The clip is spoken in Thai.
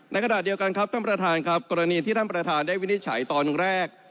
ขณะเดียวกันครับท่านประธานครับกรณีที่ท่านประธานได้วินิจฉัยตอนแรก